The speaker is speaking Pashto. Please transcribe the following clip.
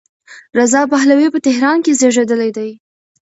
رضا پهلوي په تهران کې زېږېدلی دی.